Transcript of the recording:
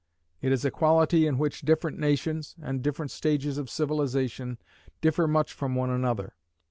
It is a quality in which different nations, and different stages of civilization, differ much from one another.